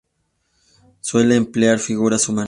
Suele emplear figuras humanas.